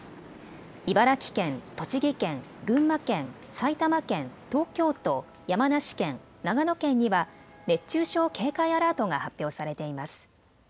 茨城県、栃木県、群馬県、埼玉県、東京都、山梨県、長野県には熱中症警戒アラートが発表されています。